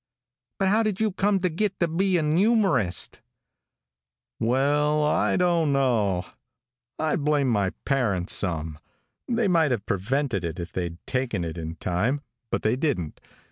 "But how did you come to git to be an youmorist?" "Well, I don't know. I blame my parents some. They might have prevented it if they'd taken it in time, but they didn't.